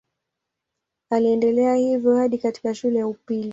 Aliendelea hivyo hadi katika shule ya upili.